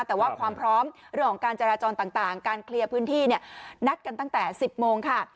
แต่ว่าความพร้อมเรื่องของการจราจรต่างการเคลียร์พื้นที่เนี่ยนัดกันตั้งแต่๑๐โมงค่ะ